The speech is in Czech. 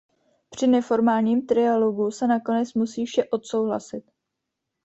Při neformálním trialogu se nakonec musí vše odsouhlasit.